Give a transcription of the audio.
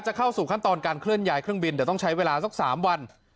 เข้าสู่ขั้นตอนการเคลื่อนย้ายเครื่องบินเดี๋ยวต้องใช้เวลาสัก๓วัน